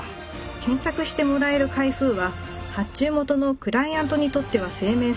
検索してもらえる回数は発注元のクライアントにとっては生命線。